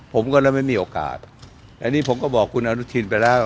ผมก็เลยไม่มีโอกาสอันนี้ผมก็บอกคุณอนุทินไปแล้ว